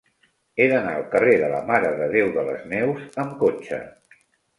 He d'anar al carrer de la Mare de Déu de les Neus amb cotxe.